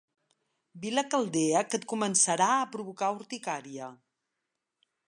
Vila caldea que et començarà a provocar urticària.